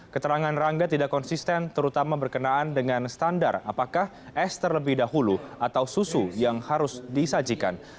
keterangan rangga tidak konsisten terutama berkenaan dengan standar apakah es terlebih dahulu atau susu yang harus disajikan